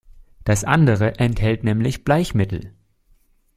Das andere enthält nämlich Bleichmittel.